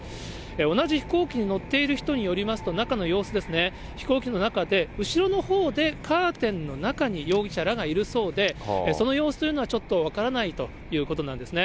同じ飛行機に乗っている人によりますと、中の様子ですね、飛行機の中で、後ろのほうでカーテンの中に容疑者らがいるそうで、その様子というのは、ちょっと分からないということなんですね。